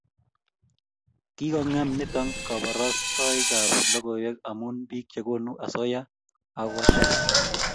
Kikongem nito koborostoikab logoiwek amu bik chekonu osoya agokoch